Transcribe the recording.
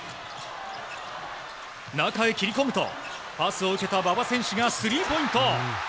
中へ切り込むと、パスを受けた馬場選手がスリーポイント。